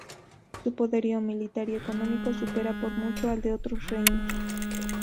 Su poderío militar y económico supera por mucho al de otros reinos.